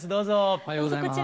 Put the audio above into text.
おはようございます。